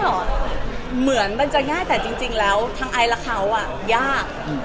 เหมือนมันจะง่ายแต่จริงแล้วทั้งไอและเขายาก